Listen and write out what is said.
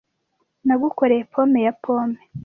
Nagukoreye pome ya pome.